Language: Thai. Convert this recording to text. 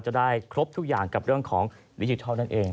จะได้ครบทุกอย่างกับเรื่องของดิจิทัลนั่นเอง